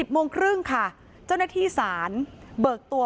โมงครึ่งค่ะเจ้าหน้าที่ศาลเบิกตัว